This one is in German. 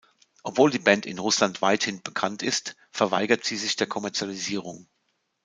Obwohl die Band in Russland weithin bekannt ist, verweigert sie sich der Kommerzialisierung.